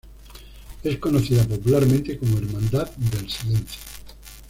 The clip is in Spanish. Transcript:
Es conocida popularmente como Hermandad del Silencio.